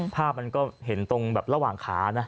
ภาพมันก็เห็นตรงแบบระหว่างขานะ